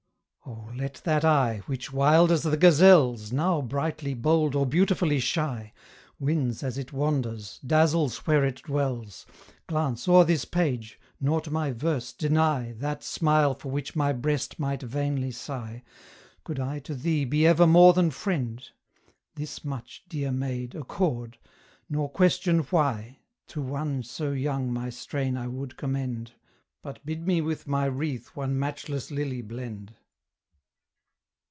Oh! let that eye, which, wild as the gazelle's, Now brightly bold or beautifully shy, Wins as it wanders, dazzles where it dwells, Glance o'er this page, nor to my verse deny That smile for which my breast might vainly sigh, Could I to thee be ever more than friend: This much, dear maid, accord; nor question why To one so young my strain I would commend, But bid me with my wreath one matchless lily blend.